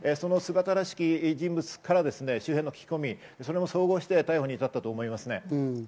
その姿らしき人物から周辺の聞き込み、総合して逮捕に至ったと思います。